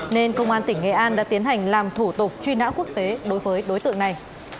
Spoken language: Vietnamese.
nên công an tỉnh nghệ an đã tiến hành làm thủ tục truy nã quốc tế đối với đối tượng này